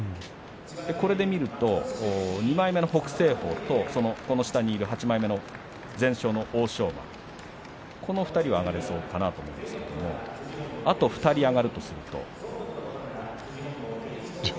これで見ると２枚目の北青鵬とその下にいる８枚目の全勝の欧勝馬、この２人は上がれそうかなと思いますけれどもあと２人上がるとすると？